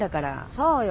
そうよ。